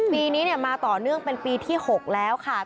ปีนี้มาต่อเนื่องเป็นปีที่๖แล้วค่ะ